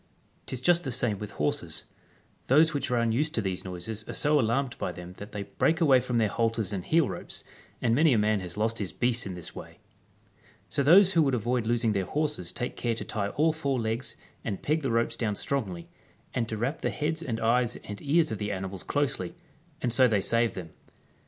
'Tis just the same with horses. Those which are unused to these noises are so alarmed by them that they break away from their halters and heel ropes, and many a man has lost his beasts in this way. So those who would avoid losing their horses take care to tie all four legs and peg the ropes down strongly, and to wrap the heads and eyes and ears of the animals closely, and so they save them.